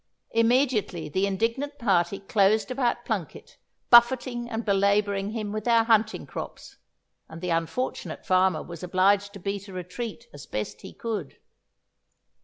Immediately the indignant party closed about Plunket, buffeting and belabouring him with their hunting crops, and the unfortunate farmer was obliged to beat a retreat as best he could.